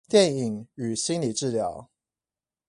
電影與心理治療